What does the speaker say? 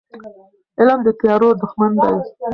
علم د تیارو دښمن دی.